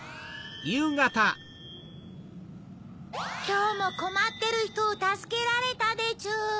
きょうもこまってるひとをたすけられたでちゅ。